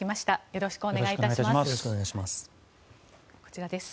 よろしくお願いします。